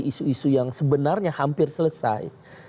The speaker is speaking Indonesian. isu isu yang sebenarnya hampir selesai